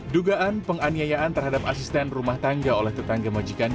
dugaan penganiayaan terhadap asisten rumah tangga oleh tetangga majikan